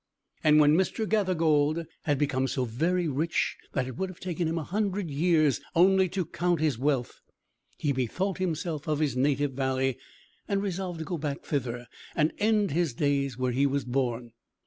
And, when Mr. Gathergold had become so very rich that it would have taken him a hundred years only to count his wealth, he bethought himself of his native valley, and resolved to go back thither, and end his days where he was born.